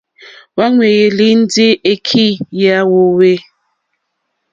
Hwá ŋwèyélì ndí èkí yá hwōhwê.